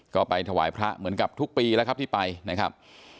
ก็ไปถวายพระเหมือนกับทุกปีแล้วครับที่ไปนะครับ